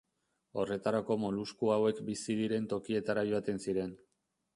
Horretarako molusku hauek bizi diren tokietara joaten ziren.